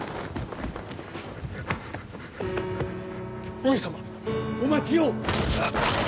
上様、お待ちを！